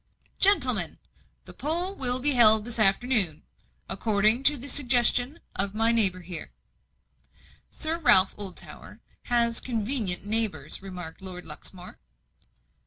"Gentlemen, the poll will be held this afternoon, according to the suggestion of my neighbour here." "Sir Ralph Oldtower has convenient neighbours," remarked Lord Luxmore.